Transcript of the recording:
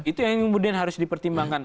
itu yang kemudian harus dipertimbangkan